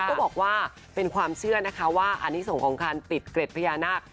ก็บอกว่าเป็นความเชื่อนะคะว่าอันนี้ส่งของคันติดเกร็ดพญานาค